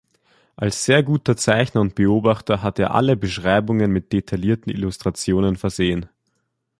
Als sehr guter Zeichner und Beobachter hat er alle Beschreibungen mit detaillierten Illustrationen versehen.